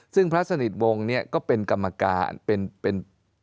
ซึ่งพระสนิทวงศ์เนี่ยก็เป็นกรรมการเป็น